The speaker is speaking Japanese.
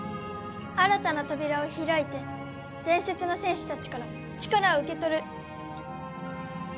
新たな扉を開いて伝説の戦士たちから力を受け取る。